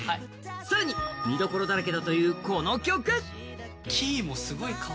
更に、見どころだらけだというこの曲。